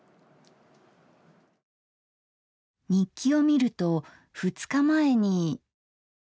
日記を見ると２日前に。